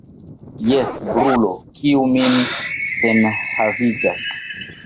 Jen brulo, kiu min senhavigas.